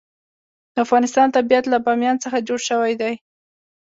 د افغانستان طبیعت له بامیان څخه جوړ شوی دی.